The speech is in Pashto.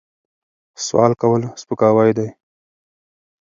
سوال کول سپکاوی دی.